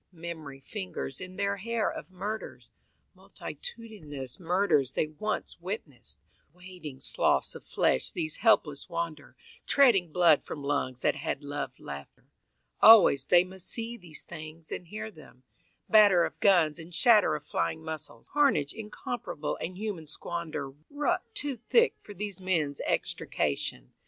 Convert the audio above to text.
Memory fingers in their hair of murders, Multitudinous murders they once witnessed. Wading sloughs of flesh these helpless wander, Treading blood from lungs that had loved laughter. Always they must see these things and hear them, Batter of guns and shatter of flying muscles, Carnage incomparable and human squander Rucked too thick for these men's extrication.